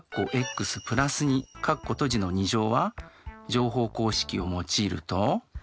は乗法公式を用いると。